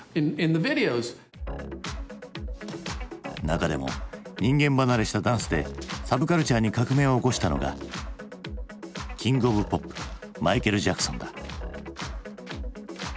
中でも人間離れしたダンスでサブカルチャーに革命を起こしたのがキング・オブ・ポップマイケル・ジャクソンだ。